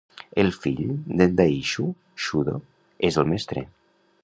El fill d'en Daishu, Shudo, és el mestre.